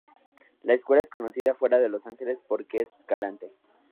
La escuela es conocida fuera de Los Ángeles porque Escalante.